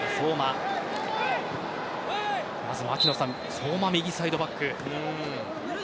相馬、右サイドバック。